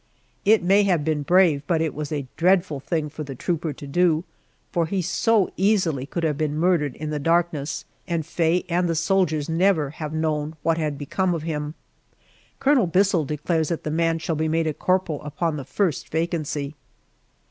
It may have been brave, but it was a dreadful thing for the trooper to do, for he so easily could have been murdered in the darkness, and Faye and the soldiers never have known what had become of him. Colonel Bissell declares that the man shall be made a corporal upon the first vacancy.